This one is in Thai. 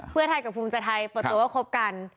เพื่อไทยกับภูมิใจไทยเปิดตัวว่าคบกัน